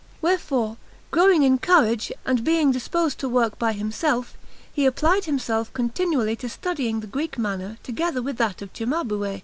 Wherefore, growing in courage and being disposed to work by himself, he applied himself continually to studying the Greek manner together with that of Cimabue.